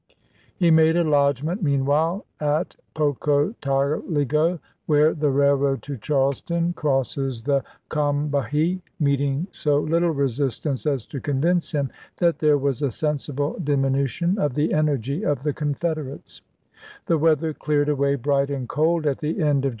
He made a lodgment meanwhile ««m5JS5S.v at Pocotaligo, where the railroad to Charleston P°255." 229 230 ABKAHAM LINCOLN chap. xii. crosses the Combahee, meeting so little resistance as to convince him that there was a sensible diminution of the energy of the Confederates. The weather cleared away bright and cold at the end of 1865.